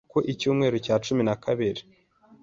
ku Icyumweru cya cumi na kabiri